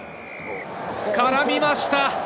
絡みました。